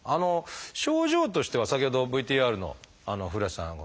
症状としては先ほどＶＴＲの古橋さん